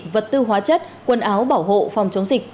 vật tư hóa chất quần áo bảo hộ phòng chống dịch